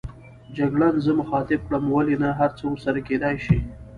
جګړن زه مخاطب کړم: ولې نه، هرڅه ورسره کېدای شي.